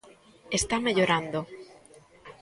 Está mellorando.